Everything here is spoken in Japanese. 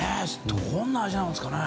どんな味なんですかね？